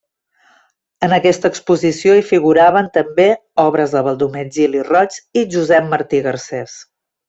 En aquesta exposició hi figuraven, també, obres de Baldomer Gili Roig i Josep Martí Garcés.